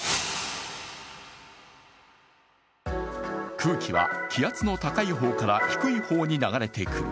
空気は気圧の高い方から低い方に流れていく。